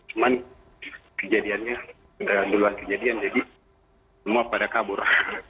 cuman kejadiannya kejadiannya jadi semua pada kabur